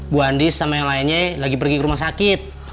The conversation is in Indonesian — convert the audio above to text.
bu andi sama yang lainnya lagi pergi ke rumah sakit